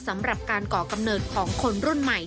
สำหรับการก่อกำเนิดของคนรุ่นใหม่